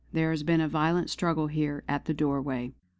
There has been a violent struggle here at the doorway!"